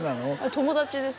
友達です